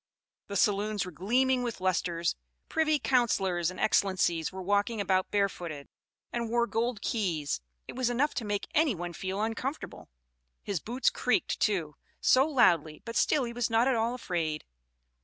The saloons were gleaming with lustres privy councillors and excellencies were walking about barefooted, and wore gold keys; it was enough to make any one feel uncomfortable. His boots creaked, too, so loudly, but still he was not at all afraid."